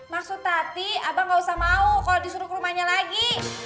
maksud tati abang gausah mau kalo disuruh ke rumahnya lagi